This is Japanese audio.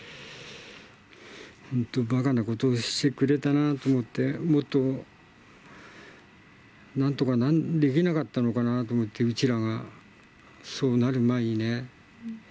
本当、ばかなことをしてくれたなと思って、もっと、なんとかできなかったのかなと思って、うちらが、そうなる前にね。